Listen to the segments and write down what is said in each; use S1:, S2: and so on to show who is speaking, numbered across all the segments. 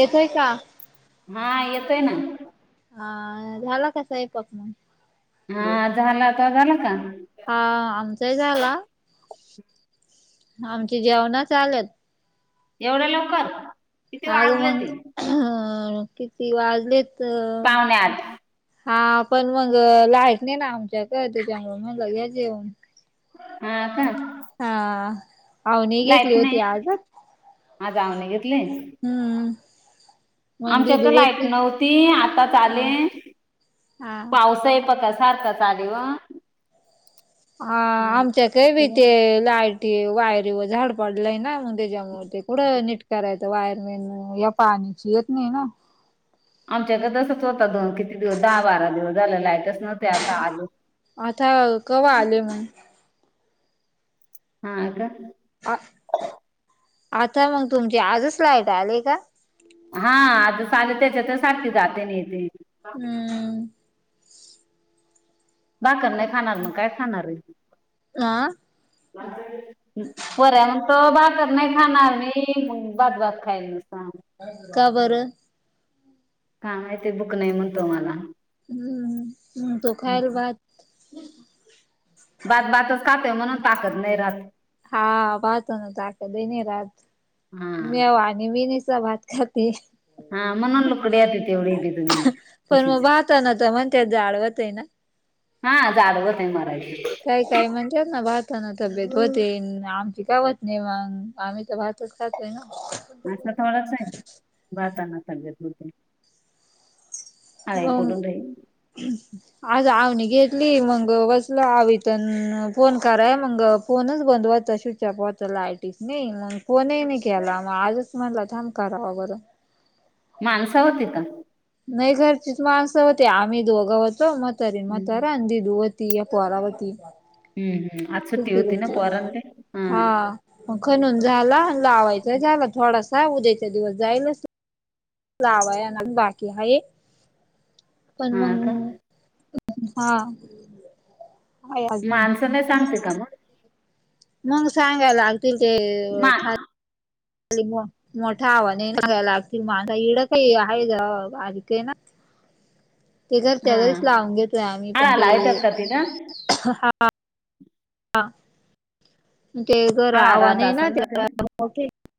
S1: येतोय का?
S2: हा.. येतोय ना
S1: हा.. झाला का स्वयंपाक?
S2: हा.. झाला, [inaudible] झाला का?
S1: हा.. आमचाही झाला. आमची जेवण चालू आहेत.
S2: एवढ्या लवकर किती
S1: अग..
S2: वाज
S1: मग, ह... किती वाजलेत?
S2: पावणे आठ
S1: हा पण मग लाईट नाही नाय आमच्या इथे त्याच्यामुळे म्हणलं या जेवण
S2: हा का
S1: हा... अवनी
S2: लाईट
S1: घेतली
S2: नाय
S1: होती आज.
S2: आज जाऊन घेतले.
S1: हम.
S2: आमच्याकडे लाईट नव्हती आताच
S1: ह
S2: आले
S1: हा.
S2: पाऊस आहे बागा सारखाच चाले वा
S1: हा आमच्याकडे भीती आहे लाईट वायरी व झाड पडलंय ना मग त्याच्यामुळे ते पुढं निटकरायचं वायरमेन या पाण्याची येत नाय ना
S2: आमच्याकडे तसंच होतं दोन किती दिवस दहा बारा दिवस झालं लाईटच नव्हती आता आले
S1: आता कव्हा आले माय
S2: हा का
S1: आ आता मग तुमची आजच लाईट आली का
S2: हा आजच आली त्याच्यातच सांगत्यात साठी तेने तेने
S1: हम
S2: भाकर नाय खाणार मग काय खाणारे
S1: ला
S2: पर्यंतो बा तिखट नाय खानार मी भात भात खाईन नुसता.
S1: का बरं
S2: का माहिती दुकलय मन तुम्हांला
S1: हम तो खाईल भात
S2: भात भातच खातोय म्हणून ताकद नाही राहत.
S1: हा बात ना ताक दे राात
S2: हा
S1: [unintelligible] मी निस्ता भात खाते.
S2: हा म्हणून लुकड्या [unintelligible] आ त तेवढी तुम्ही त
S1: तन तर म्हणताय जाड होते ना
S2: हा जाड होतंय मराई
S1: काय काय म्हणत्यात ना भाताने तब्येत होते आमची काय होत नाय मग आम्ही तर भातच खातनी तोयना
S2: असा काय होत नाय भातान तब्येत होत्या
S1: होय
S2: [unintelligible]
S1: आज आव घेतली मग बसला वैशूला रिटर्न फोन करायला मग फोनच बंद होता शे त्या पोत लाईटीसनी मग फोन ही नाही केला मग आजच म्हणला थांब करावा बरं
S2: माणसावर देता.
S1: नाही घरचीच माणसं होती आम्ही दोघं होतो म्हातारी
S2: हम्म
S1: म्हातारा आणि दिदू वाला गलती [unintelligible]
S2: हम हम आज सुट्टी होती ना पोरास्नी हा
S1: खणून झाला लावायचा झाला थोडासा उद्याचा दिवस जायलच लावायांना बाकी आहेत पण
S2: हा का
S1: मग हा आहे अजून
S2: माणसं काय सांगते का मग
S1: मग सांगायल आलतील ते
S2: मा
S1: खाली घेऊन मोठं आव्हने ये लागतील माझा इडं काही आहे बारीक आहे ना [unintelligible]
S2: [inaudible]
S1: ते घर, त्या
S2: हा
S1: घरीच लावून घेतोय आम्ही पण
S2: हळा
S1: ते..
S2: लावतात का तिला
S1: हा.. आ.. ते घर
S2: हळा राहत
S1: आवाने है ना
S2: असेल
S1: [unintelligible] हे
S2: तिला
S1: घर मोठे आहे.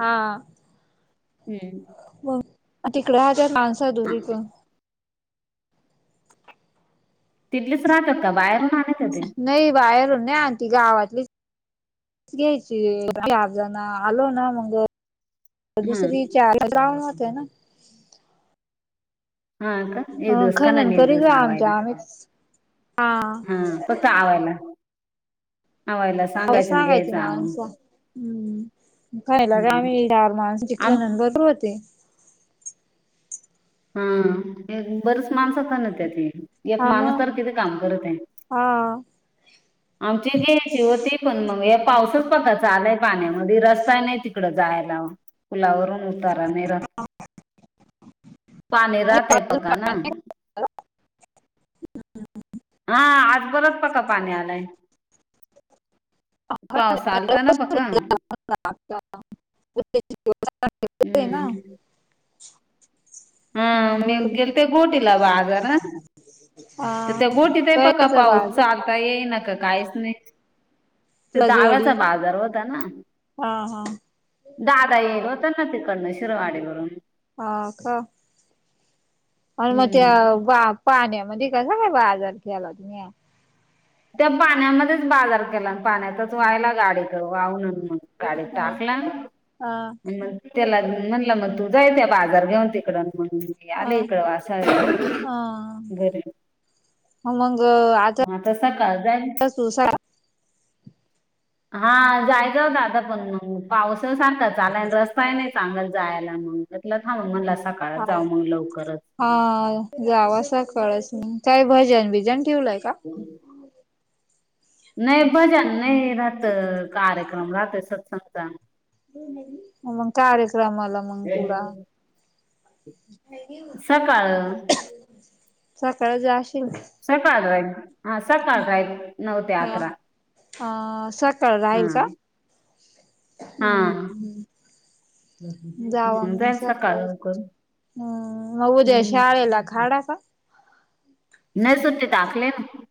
S1: हा..
S2: हम्म
S1: बोल, तिकडे राहतेत माणस दूरीतून
S2: तिथलीच राहतात का बाहेरून आणयच ते?
S1: नाही बाहेरून नाही आणती, गावातलीच घ्यायची साबुदाणा [inaudible] आलो ना मग
S2: हम्म
S1: दुसरीच्या [unintelligible] होते ना
S2: हा.. का? एक
S1: अ
S2: दिवस का नाही
S1: खनन
S2: नाही एक
S1: करीत
S2: दिवस
S1: आमच्या
S2: आवायला,
S1: आम्ही
S2: हा.. फक्त आवायला. आवायलाच
S1: मला सांगायची माणस हम्.. खायला ग
S2: हम्म.
S1: आम्ही चार माणस ती
S2: आम
S1: खनन बरोबर होते.
S2: हम्... एक.. बरच माणस खणत्याती. एक
S1: हा
S2: माणूस
S1: मग
S2: तर किती काम करतय?
S1: हा
S2: आमचे हे जेव्हा ते पण मग या पाऊसच पता चालय पाण्यामध्ये रस्ता नाही तिकड जायला. पुुलावरून उतारा नाही राहत.
S1: [unintelligible] आ.. व
S2: पाने राहतय पका ना हा.. आज बरच पका पाणी आलाय. पाऊस आलता ना पका
S1: [inaudible]
S2: हम्म
S1: [inaudible]
S2: हा.. मी
S1: वर
S2: गेलते गोटीला बाजारा
S1: हा
S2: तर त्या गोठीत ही पका
S1: कळचा
S2: पाऊस
S1: बाग
S2: चालता येईना की काहीच नाही. ते
S1: रजवाडी
S2: दहाव्याचा बाजार होता ना?
S1: हा हा
S2: दादा येईल होत ना तिकडनं शिरवाडीवरून
S1: हा.. का.. आणि मग त्या
S2: हम्म
S1: बा पाण्यामध्ये कसां काय बाजार केला तुम्ही?
S2: त्या पाण्यामध्येच बाजार केला पाण्यातच व्हायला गाडी वाहूनच मग गाडीत
S1: हा
S2: टाकला आणि
S1: हा
S2: मग त्याला म्हणलं मग तू जाय त्या बाजार घेऊन तिकड म्हणून मी
S1: हा
S2: आले इकडं वासाळ [unintelligible] घरी
S1: हो.. मग
S2: हा.. तसा का जाईन?
S1: तु.. सा..
S2: हा.. जायचं हो दादा पण पावस सारखा चालायला रस काय नाही चांगल जायला मग, म्हटलं थांब म्हणला जाऊ मग लवकरच
S1: हा.. जावस काळस मग.. काय भजन भिजन ठेवलंय का?
S2: [inaudible] नाही भजन नाही राहत... कार्यक्रम राहत सत्संगचा
S1: मग कार्यक्रमला मंग तुला [inaudible]
S2: सकाळ
S1: सकाळी जाशील
S2: सकाळ ला जाईन. हां सकाळ जाईन नऊ ते
S1: हा
S2: अकरा,
S1: अ सकाळ राहील का
S2: हम्म.
S1: हम्म, जावा
S2: मग
S1: म
S2: जाईल सकाळ
S1: सकाळी.
S2: लवकर
S1: हम्म म उद्या
S2: हम्म
S1: शाळेेला खाडा का?
S2: नाय सुट्टी टाकलीये ना.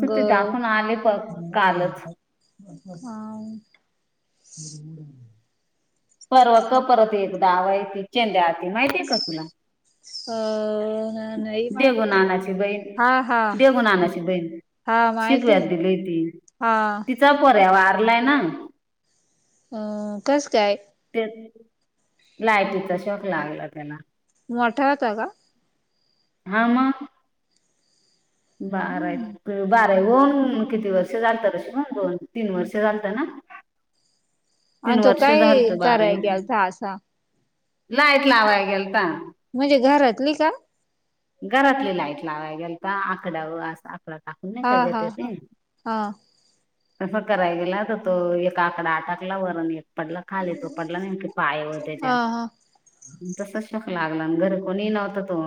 S2: सुट्टी टाकून आले प कालच
S1: मंग [inaudible] हां.
S2: परवा का परत एकदा वाय ते चेंद्या आलती माहितीय का तुला?
S1: अ नाही माहित.
S2: देहु नानाची बहीण,
S1: हा हा
S2: देऊ नाना ची बहीण.
S1: हा माहिती
S2: शिकव्यात दिलीय ती,
S1: हा
S2: तिचा पोर्र्या वारलाय ना.
S1: अं कसं काय?
S2: तेच, लायटीचा शोक लागला त्याला.
S1: मोठा होता का?
S2: हा म. बारा
S1: हम्म
S2: विला. बारावी होऊन किती वर्ष झालतं रेश्मा, दोन तीन वर्ष झालतं ना. तीन
S1: आणि तो
S2: वर्ष
S1: काय
S2: झालतं बारावी
S1: कराय
S2: हुन.
S1: गेलता असा
S2: लाईट लावाय गेलता.
S1: म्हणजे घरातली का?
S2: घरातली लाईट लावाय गेलति आकडा व आकडा टाक
S1: हा हा हा
S2: ते [unintelligible]
S1: हा
S2: तसं कराय गेला होता तो एक आकडा आटकला वर आणि एक पडला खाली, तो पडला नेमका पायावर
S1: हा
S2: त्याच्या.
S1: हा
S2: तसाच शौक लागला आणि घरी कोणी नव्हतं तो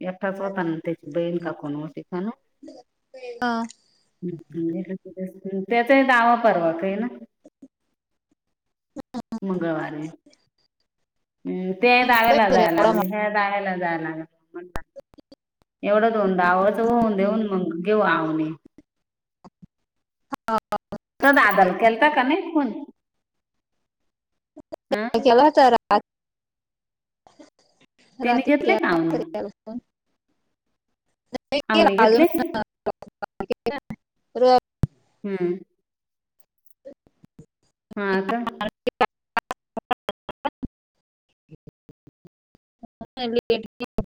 S2: एकठाच होताना, त्याची बहीण का कोण होती काय माहीत?
S1: हां.
S2: त्याचाही दावा पर्वा का य ना. मंगळवारी हम्म. ते
S1: हा
S2: दावायला जायला लागलं, हे दावायला जाय लागलं, म्हण एवढंच होऊन दावाच होऊन देऊन मग घेऊ आवनी.
S1: हा.
S2: तु दादाला केलाता का नाही फोन, हम्म.
S1: केला होता
S2: त्याने
S1: राती
S2: घेतले का
S1: केला
S2: आवनी
S1: होता मग [unintelligible]
S2: अवनी घेतली.
S1: [unintelligible] र
S2: हम्म. हा का.
S1: [unintelligible]